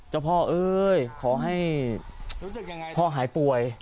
เจ้าพ่อเอ้ยขอให้พ่อหายป่วย